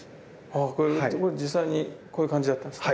実際にこういう感じだったんですか？